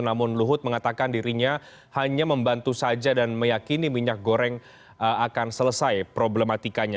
namun luhut mengatakan dirinya hanya membantu saja dan meyakini minyak goreng akan selesai problematikanya